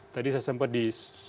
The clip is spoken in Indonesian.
tadi saya sempat di